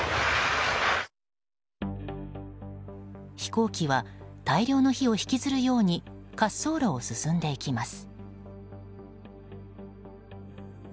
飛行機は大量の火を引きずるように滑走路を進んでいきます。